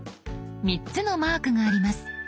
３つのマークがあります。